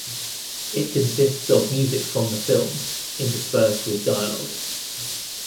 It consists of music from the film, interspersed with dialog.